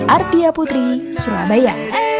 ardia putri surabaya